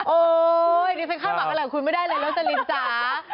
โอ้ยดิฉันคาดหวังกับแหล่งคุณไม่ได้เลยแล้วสลิมจ๋า